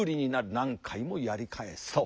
何回もやり返すと。